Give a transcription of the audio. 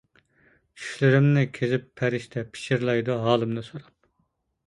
چۈشلىرىمنى كېزىپ پەرىشتە، پىچىرلايدۇ ھالىمنى سوراپ.